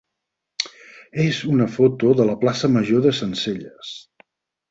és una foto de la plaça major de Sencelles.